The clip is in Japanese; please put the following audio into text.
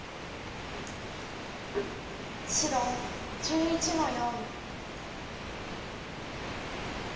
白１１の四。